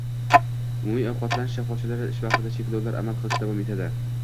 Umumiy ovqatlanish shoxobchalari ish vaqtiga cheklovlar amal qilishi davom etadi